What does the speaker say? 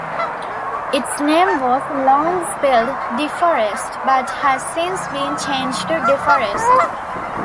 Its name was long spelled "De Forest," but has since been changed to "DeForest.